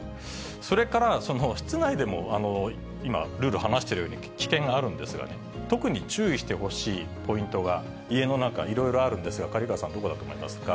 それから室内でも今、るる話しているように、危険があるんですが、特に注意してほしいポイントが、家の中、いろいろあるんですが、刈川さん、どこだと思いますか。